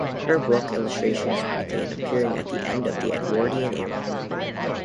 Her book illustrations began appearing at the end of the Edwardian era.